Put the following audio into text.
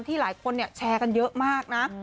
หลายคนแชร์กันเยอะมากนะ